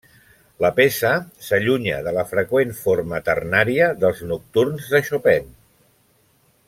La peça s'allunya de la freqüent forma ternària dels nocturns de Chopin.